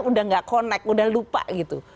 udah gak connect udah lupa gitu